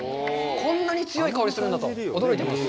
こんなに強い香りがするんだと、驚いています。